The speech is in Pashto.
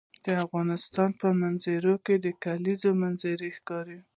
د افغانستان په منظره کې د کلیزو منظره ښکاره ده.